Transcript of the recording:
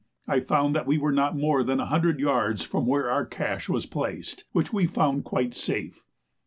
I found that we were not more than a hundred yards from where our "cache" was placed, which we found quite safe.